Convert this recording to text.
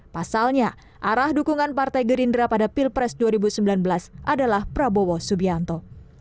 pasalnya arah dukungan partai gerindra pada pilpres dua ribu sembilan belas adalah prabowo subianto